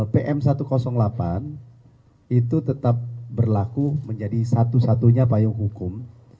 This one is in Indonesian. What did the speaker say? pm satu ratus delapan itu tetap berlaku menjadi satu satunya payung hukum